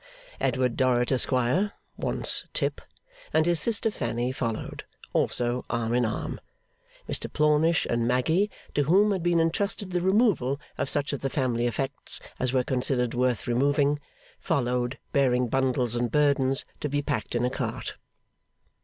Edward Dorrit, Esquire (once Tip), and his sister Fanny followed, also arm in arm; Mr Plornish and Maggy, to whom had been entrusted the removal of such of the family effects as were considered worth removing, followed, bearing bundles and burdens to be packed in a cart.